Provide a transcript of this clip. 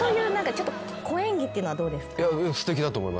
ちょっと小演技っていうのはどうですか？